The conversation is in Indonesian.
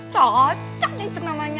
hah cocok itu namanya